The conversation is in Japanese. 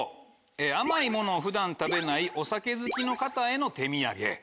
甘いものを普段食べないお酒好きの方への手土産。